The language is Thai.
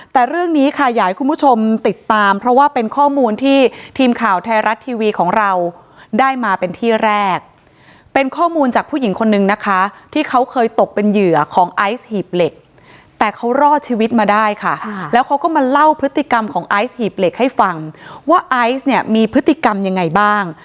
แต่เรื่องนี้ค่ะอยากให้คุณผู้ชมติดตามเพราะว่าเป็นข้อมูลที่ทีมข่าวไทยรัฐทีวีของเราได้มาเป็นที่แรกเป็นข้อมูลจากผู้หญิงคนนึงนะคะที่เขาเคยตกเป็นเหยื่อของไอซ์หีบเหล็กแต่เขารอดชีวิตมาได้ค่ะแล้วเขาก็มาเล่าพฤติกรรมของไอซ์หีบเหล็กให้ฟังว่าไอซ์เนี่ยมีพฤติกรรมยังไงบ้าง